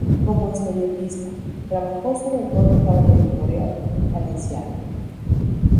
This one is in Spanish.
Como historietista, trabajó sobre todo para la Editorial Valenciana.